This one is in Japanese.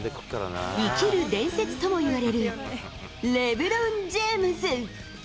生きる伝説ともいわれるレブロン・ジェームズ。